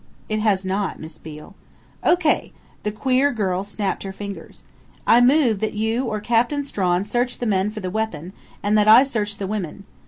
"It has not, Miss Beale." "O. K.!" The queer girl snapped her fingers. "I move that you or Captain Strawn search the men for the weapon, and that I search the Women....